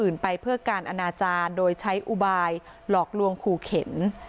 ไปเพื่อการอนาจารย์โดยใช้อุบายหลอกลวงขู่เข็น